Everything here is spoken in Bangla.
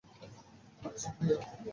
জি, ভাইয়া।